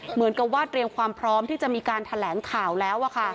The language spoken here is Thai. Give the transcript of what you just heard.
เหมือนกับว่าเตรียมความพร้อมที่จะมีการแถลงข่าวแล้ว